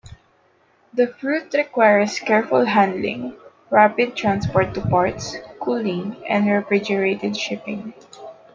The fruit requires careful handling, rapid transport to ports, cooling, and refrigerated shipping.